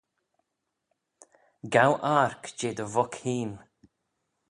Gow ark jeh dty vuck hene